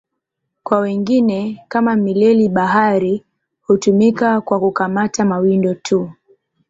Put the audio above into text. Kwa wengine, kama mileli-bahari, hutumika kwa kukamata mawindo tu.